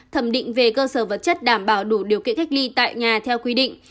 thẩm định về cơ sở vật chất đảm bảo đủ điều kiện cách ly tại nhà theo quy định